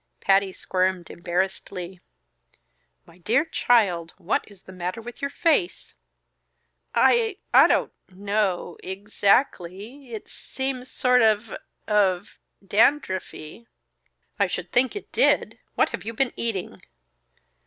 Patty squirmed embarrassedly. "My dear child! What is the matter with your face?" "I I don't know exactly. It seems sort of of dandruffy." "I should think it did! What have you been eating?"